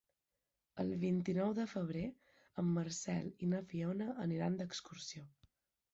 El vint-i-nou de febrer en Marcel i na Fiona aniran d'excursió.